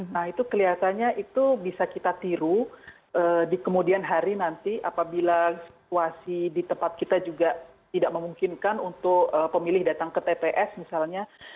nah itu kelihatannya itu bisa kita tiru di kemudian hari nanti apabila situasi di tempat kita juga tidak memungkinkan untuk pemilih datang ke tps misalnya